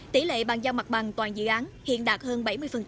tỷ lệ bàn giao mặt bằng toàn dự án hiện đạt hơn bảy mươi